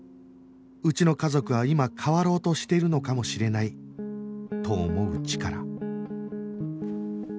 うちの家族は今変わろうとしているのかもしれないと思うチカラ